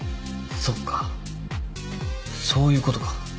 そっかそういうことか。